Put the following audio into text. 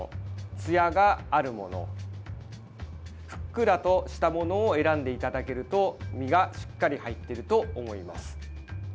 ツヤがあるものふっくらとしたものを選んでいただけると実がしっかり入っていると思います。